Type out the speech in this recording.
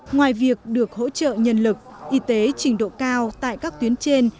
ngoài việc được hỗ trợ nhân lực y tế trình độ cao tại các tuyến trên